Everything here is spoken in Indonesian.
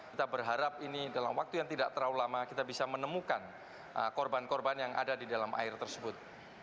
kita berharap ini dalam waktu yang tidak terlalu lama kita bisa menemukan korban korban yang ada di dalam air tersebut